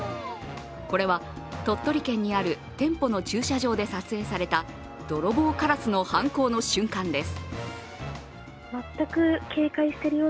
これは鳥取県にある店舗の駐車場で撮影された泥棒カラスの犯行の瞬間です。